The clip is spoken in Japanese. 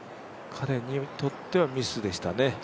彼にとってはミスでしたね。